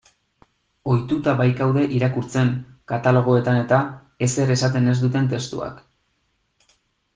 Ohituta baikaude irakurtzen, katalogoetan-eta, ezer esaten ez duten testuak.